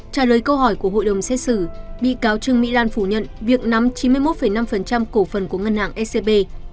trả lời câu hỏi của hội đồng xét xử bị cáo trương mỹ lan phủ nhận việc nắm chín mươi một năm cổ phần của ngân hàng scb